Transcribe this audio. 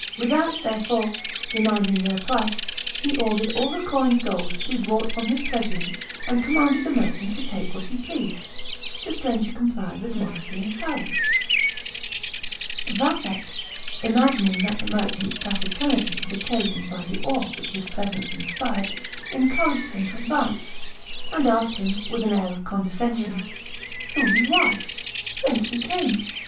Without, therefore, demanding their price, he ordered all the coined gold to be brought from his treasury, and commanded the merchant to take what he pleased; the stranger complied with modesty and silence. Vathek, imagining that the merchant's taciturnity was occasioned by the awe which his presence inspired, encouraged him to advance, and asked him, with an air of condescension, "Who he was? whence he came?